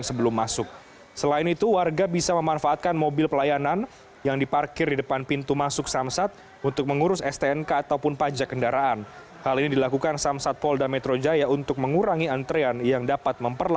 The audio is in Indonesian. sampai jumpa di video selanjutnya